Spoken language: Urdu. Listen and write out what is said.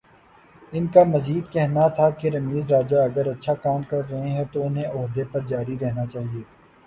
ان کا مزید کہنا تھا کہ رمیز راجہ اگر اچھا کام کررہے ہیں تو انہیں عہدے پر جاری رہنا چاہیے۔